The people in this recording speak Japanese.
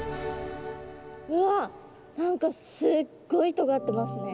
うわ何かすっごいとがってますね。